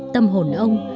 tâm hồn ông